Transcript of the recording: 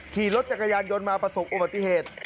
ขี่รถจักรยานยนต์มาประสบอุบัติเหตุ